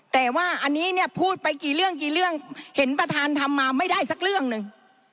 แต่ว่าอันนี้เนี่ยพูดไปกี่เรื่องกี่เรื่องเห็นประธานทำมาไม่ได้สักเรื่องหนึ่ง